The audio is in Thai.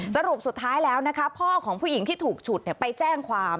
สรุปสุดท้ายแล้วนะคะพ่อของผู้หญิงที่ถูกฉุดไปแจ้งความ